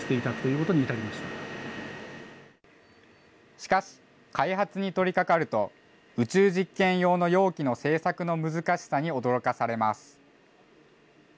しかし、開発に取りかかると、宇宙実験用の容器の製作の難しさに驚かされます。